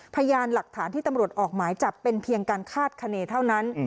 พยานหลักฐานที่ตำรวจออกหมายจับเป็นเพียงการคาดคณีเท่านั้น